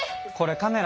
カメラ？